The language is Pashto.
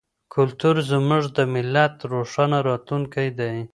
کلتور زموږ د ملت روښانه راتلونکی دی.